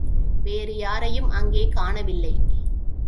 வேறு யாரையும் அங்கே காணவில்லை.